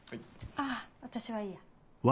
あぁ私はいいや。